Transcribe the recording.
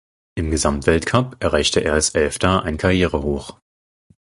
Im Gesamtweltcup erreichte er als Elfter ein Karrierehoch.